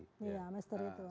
iya misteri itu